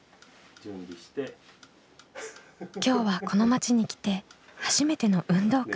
今日はこの町に来て初めての運動会。